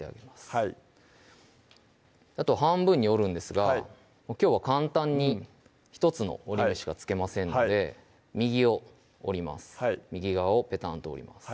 はいあと半分に折るんですがきょうは簡単に１つの折り目しかつけませんので右を折ります右側をペタンと折ります